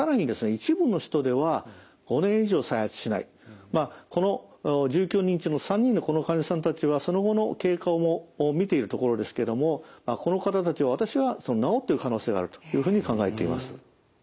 一部の人では５年以上再発しないまあこの１９人中の３人のこの患者さんたちはその後の経過を見ているところですけどもこの方たちは私は治ってる可能性があるというふうに考えています。